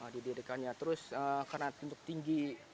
di dirikanya terus karena tinggi